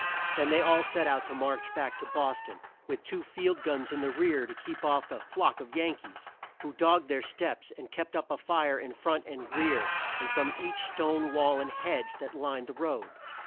Then they all set out to march back to Bos ton, with two field guns in the rear to keep off the "flock of Yan kees," who dogged their steps, and kept up a fire in front and rear, and from each stone wall and hedge that lined the road.